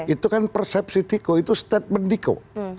itu kan persepsi diko itu statement diko